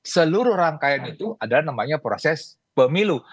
seluruh rangkaian itu adalah namanya proses pemilu